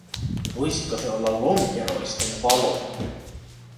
Voisiko se olla lonkeroisten valoa?